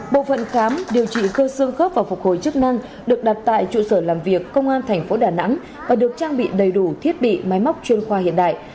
bộ phận khám điều trị cơ xương khớp và phục hồi chức năng được đặt tại trụ sở làm việc công an thành phố đà nẵng và được trang bị đầy đủ thiết bị máy móc chuyên khoa hiện đại